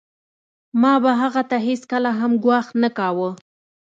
ما به هغه ته هېڅکله هم ګواښ نه کاوه